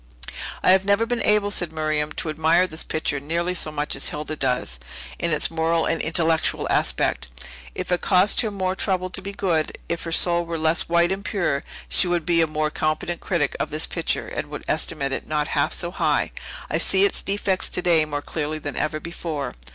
"I have never been able," said Miriam, "to admire this picture nearly so much as Hilda does, in its moral and intellectual aspect. If it cost her more trouble to be good, if her soul were less white and pure, she would be a more competent critic of this picture, and would estimate it not half so high. I see its defects today more clearly than ever before."